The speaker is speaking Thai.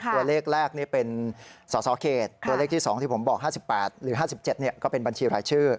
ตัวเลขแรกนี่เป็นสสเขตตัวเลขที่๒ที่ผมบอก๕๘หรือ๕๗ก็เป็นบัญชีรายชื่อ